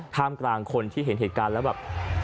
ท่ามกลางคนที่เห็นเหตุการณ์แล้วแบบ